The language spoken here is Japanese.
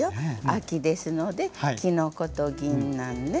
秋ですのできのことぎんなんね。